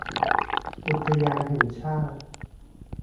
อุทยานแห่งชาติ